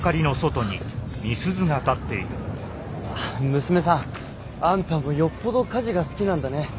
娘さんあんたもよっぽど火事が好きなんだね。